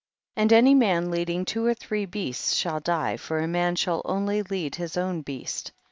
34. And any man leading two or three beasts shall die, for a man shall only lead his own beast.